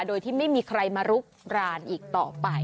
โดยที่ไม่มีใครมาลุกรานอีกต่อไป